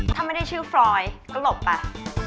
ถ้าไม่ได้ชื่อฟรอยก็หลบไป